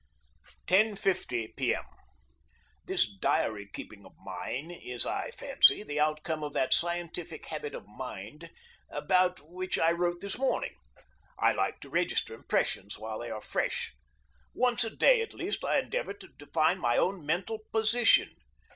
10.50 P. M. This diary keeping of mine is, I fancy, the outcome of that scientific habit of mind about which I wrote this morning. I like to register impressions while they are fresh. Once a day at least I endeavor to define my own mental position.